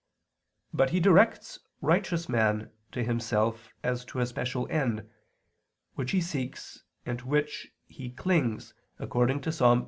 But He directs righteous men to Himself as to a special end, which they seek, and to which they wish to cling, according to Ps.